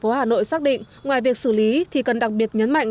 phòng công an tp hà nội xác định ngoài việc xử lý thì cần đặc biệt nhấn mạnh